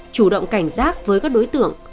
chủ động cảnh giác với các đối tượng